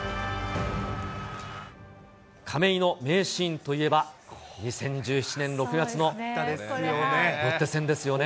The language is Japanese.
亀井の名シーンといえば、２０１７年６月のロッテ戦ですよね。